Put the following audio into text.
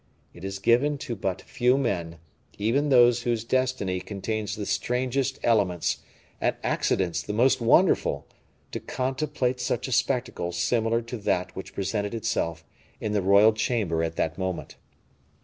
It is given to but few men, even those whose destiny contains the strangest elements, and accidents the most wonderful, to contemplate such a spectacle similar to that which presented itself in the royal chamber at that moment.